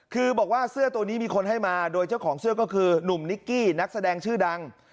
คือบอกว่าเสื้อตัวนี้มีคนให้มาโดยเจ้าของเสื้อก็คือหนุ่มนิกกี้นักแสดงชื่อดัง